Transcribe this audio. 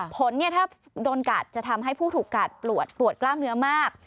ผลถ้าโดนกัดจะทำให้ผู้ถูกกัดปวดกล้ามเนื้อมาก